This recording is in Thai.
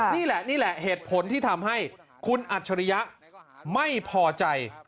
นี่แหละนี่แหละเหตุผลที่ทำให้คุณอัจฉริยะไม่พอใจ